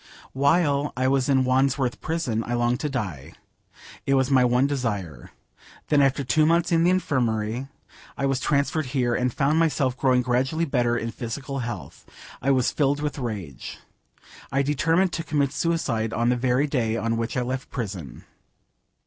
While I was in Wandsworth prison I longed to die. It was my one desire. When after two months in the infirmary I was transferred here, and found myself growing gradually better in physical health, I was filled with rage. I determined to commit suicide on the very day on which I left prison.